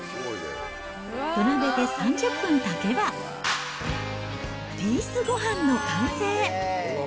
土鍋で３０分炊けば、ピースごはんの完成。